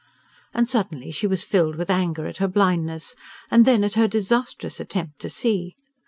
And suddenly she was filled with anger at her blindness, and then at her disastrous attempt to see.